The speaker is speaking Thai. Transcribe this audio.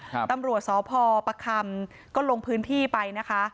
ตำรวจสพประคำก็ลงพื้นที่ไปนะคะ